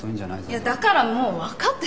いやだからもう分かってるよ。